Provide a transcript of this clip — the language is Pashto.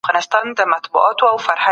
خو د مخنیوي فرصت شته.